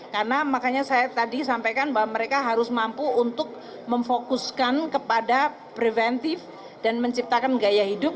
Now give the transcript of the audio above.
karena makanya saya tadi sampaikan bahwa mereka harus mampu untuk memfokuskan kepada preventif dan menciptakan gaya hidup